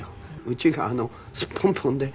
うちがすっぽんぽんで。